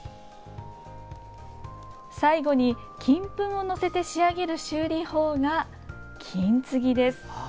最後に金粉を載せて仕上げる修理法が、金継ぎです。